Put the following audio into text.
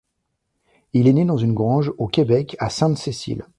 Il est né dans une grange au Québec à Sainte-Cécile.